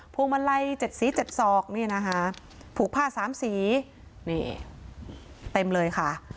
วงมาลัย๗สี๗ศอกนี่นะคะผูกผ้าสามสีนี่เต็มเลยค่ะ